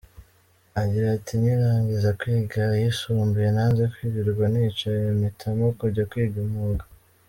Agira ati “Nkirangiza kwiga ayisumbuye nanze kwirirwa nicaye mpitamo kujya kwiga umwuga.